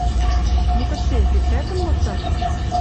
«Ну, кыце? Пецӓтӹм лыкташ? —